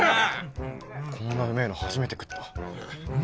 こんなうめえの初めて食った。